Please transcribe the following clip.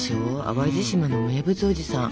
淡路島の名物おじさん。